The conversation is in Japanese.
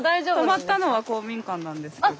泊まったのは公民館なんですけど。